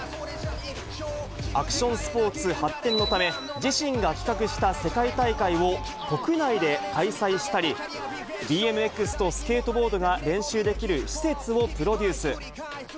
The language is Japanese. アクションスポーツ発展のため、自身が企画した世界大会を国内で開催したり、ＢＭＸとスケートボードが練習できる施設をプロデュース。